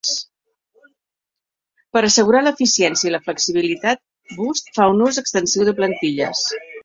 Per assegurar l'eficiència i la flexibilitat, Boost fa un ús extensiu de plantilles.